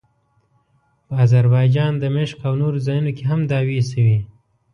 په اذربایجان، دمشق او نورو ځایونو کې هم دعوې شوې.